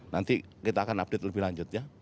nanti kita akan update lebih lanjut ya